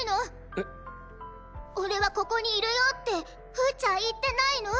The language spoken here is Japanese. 「おれはここにいるよー」ってふーちゃんいってないの？